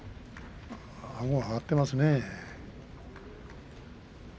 あごが上がっていますね。